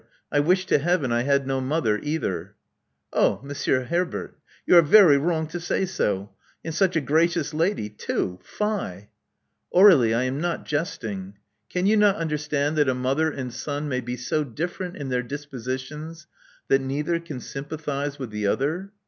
I w ish to Heaven I ha( nom other either. " /^.^IUaJZilJmClXav^ Oh, Monsieur Herbert! You are very wrong to say so. And such a gracious lady, too! Fie!" Aur61ie: I am not jesting. Can you not under stand that a mother and son may be so different in their dispositions that neither can sympathize with the other?